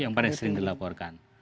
yang paling sering dilaporkan